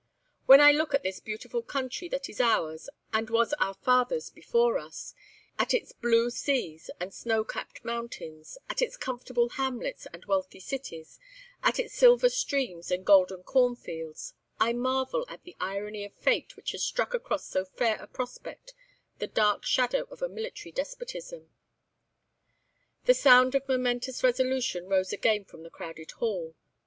"When I look at this beautiful country that is ours and was our fathers before us, at its blue seas and snow capped mountains, at its comfortable hamlets and wealthy cities, at its silver streams and golden corn fields, I marvel at the irony of fate which has struck across so fair a prospect the dark shadow of a military despotism." The sound of momentous resolution rose again from the crowded hall.